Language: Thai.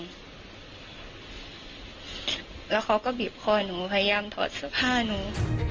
แล้วเขาก็บีบคอหนูพยายามถอดเสื้อผ้าหนู